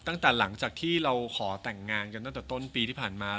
หลังจากที่เราขอแต่งงานกันตั้งแต่ต้นปีที่ผ่านมา